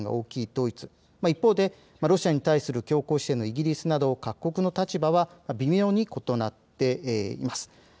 ドイツ、一方でロシアに対する強硬姿勢のイギリスなど、各国の立場は異なっています。